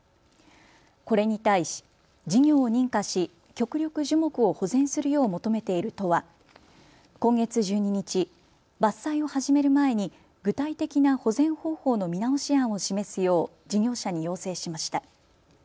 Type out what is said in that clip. これに対し事業を認可し極力、樹木を保全するよう求めている都は今月１２日、伐採を始める前に具体的な保全方法の見直し案を示すよう事業者に要請しました。